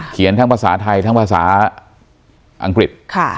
ทั้งภาษาไทยทั้งภาษาอังกฤษ